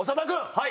はい。